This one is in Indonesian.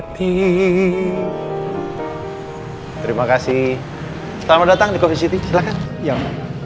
terima kasih selamat datang di coffeesity silahkan